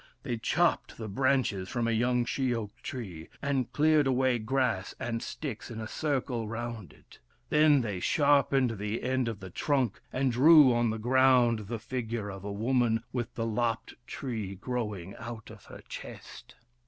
They chopped the branches from a young she oak tree, and cleared away grass and sticks in a circle round it. Then they sharpened the end of the trunk, and drew on the ground the figure of a woman, with the lopped tree growing out of her chest.